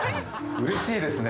うれしいですね。